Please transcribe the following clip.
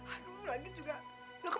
aduh lagi juga